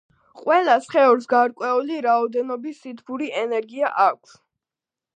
ყველა სხეულს გარკვეული რაოდენობის სითბური ენერგია აქვს